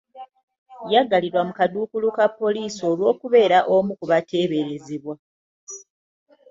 Yaggalirwa mu kaduukulu ka poliisi olw'okubeera omu ku bateeberezebwa.